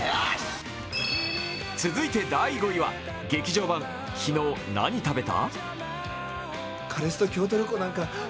続いて第５位は劇場版「きのう何食べた？」